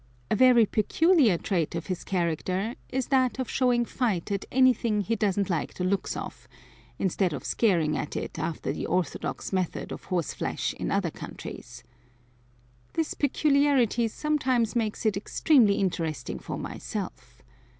A very peculiar trait of his character is that of showing fight at anything he doesn't like the looks of, instead of scaring at it after the orthodox method of horse flesh in other countries. This peculiarity sometimes makes it extremely interesting for myself.